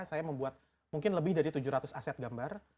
saya membuat mungkin lebih dari tujuh ratus aset gambar